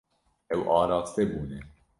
Ew araste bûne.